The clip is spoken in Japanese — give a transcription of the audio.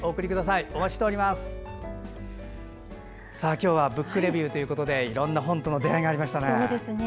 今日は「ブックレビュー」ということでいろんな本との出会いがありましたね。